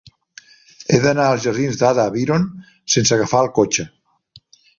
He d'anar als jardins d'Ada Byron sense agafar el cotxe.